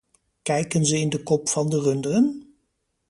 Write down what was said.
Kijken ze in de kop van de runderen?